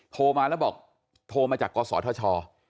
โทรมาแล้วบอกโทรมาจากกศธช